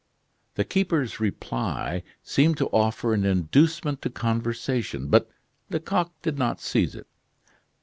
The keeper's reply seemed to offer an inducement to conversation, but Lecoq did not seize it.